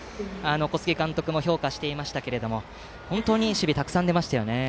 小菅監督も評価していましたが本当にいい守備がたくさん出ましたね。